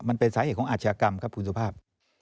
มันเป็นสาเหตุของอาชญากรรมครับคุณสุภาพ